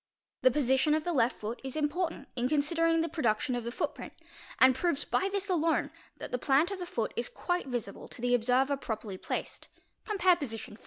The position of the left foot is important in considering the production of the footprint and proves by this alone that the plant of the foot is quite visible to the observer properly placed (compare position IV.)